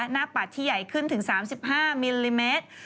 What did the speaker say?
ปัดที่ใหญ่ขึ้นถึง๓๕มิลลิเมตร